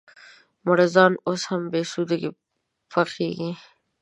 مړزان اوس هم بهسودو کې پخېږي؟